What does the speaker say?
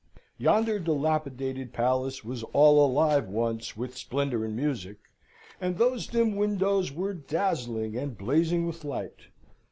Yonder dilapidated palace was all alive once with splendour and music, and those dim windows were dazzling and blazing with light!